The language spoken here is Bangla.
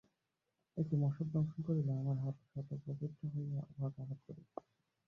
একটি মশক দংশন করিলে আমার হাত স্বতঃপ্রবৃত্ত হইয়া উহাকে আঘাত করিবে।